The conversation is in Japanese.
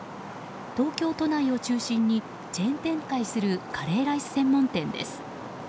東京都内を中心にチェーン展開するカレーライス専門店です。